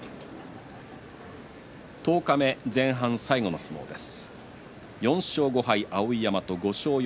十日目、前半最後の相撲です。